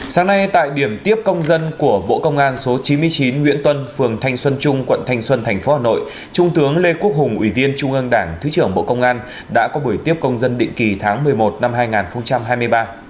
sáng nay tại điểm tiếp công dân của bộ công an số chín mươi chín nguyễn tuân phường thanh xuân trung quận thanh xuân tp hà nội trung tướng lê quốc hùng ủy viên trung ương đảng thứ trưởng bộ công an đã có buổi tiếp công dân định kỳ tháng một mươi một năm hai nghìn hai mươi ba